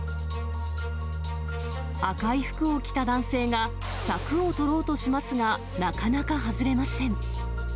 赤い服を着た男性が柵を取ろうとしますが、なかなか外れません。